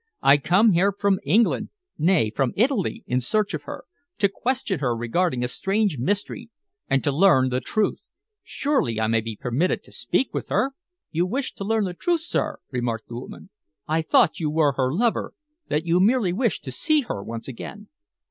I come here from England, nay, from Italy in search of her, to question her regarding a strange mystery and to learn the truth. Surely I may be permitted to speak with her?" "You wish to learn the truth, sir!" remarked the woman. "I thought you were her lover that you merely wished to see her once again."